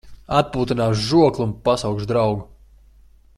Atpūtināšu žokli un pasaukšu draugu.